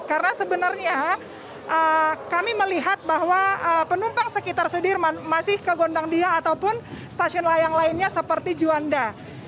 karena sebenarnya kami melihat bahwa penumpang sekitar sudirman masih ke gondangdia ataupun stasiun yang lainnya seperti juanda